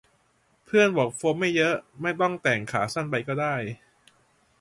เพื่อนบอกโฟมไม่เยอะ ไม่ต้องแต่งขาสั้นไปก็ได้